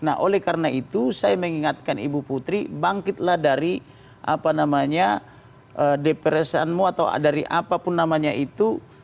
nah oleh karena itu saya mengingatkan ibu putri bangkitlah dari apa namanya depresanmu atau dari apapun namanya itu